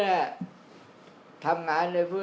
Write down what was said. อย่างออกแม่งมะออกของพวกเรา